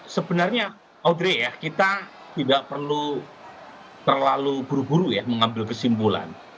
sebenarnya audrey ya kita tidak perlu terlalu buru buru ya mengambil kesimpulan